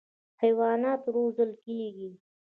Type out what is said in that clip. حیوانات روزل کېږي.